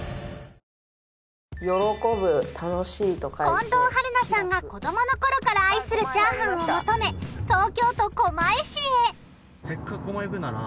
近藤春菜さんが子どもの頃から愛するチャーハンを求め東京都狛江市へ